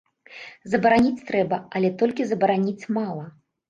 Забараніць трэба, але толькі забараніць мала.